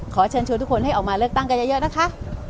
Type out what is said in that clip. ขอเชิญชวนทุกคนให้ออกมาเลือกตั้งกันเยอะนะคะ